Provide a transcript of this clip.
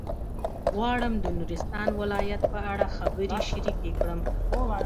غواړم د نورستان ولایت په اړه خبرې شریکې کړم.